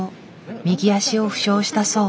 右脚を負傷したそう。